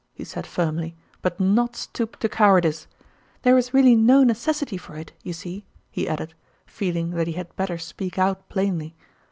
" he said firmly, but not stoop to cowardice. There is really 126 Sonrmaiin's ime no necessity for it, you see," lie added, feeling that lie had better speak out plainly.